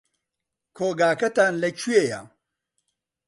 کۆگاکەتان لەکوێیە؟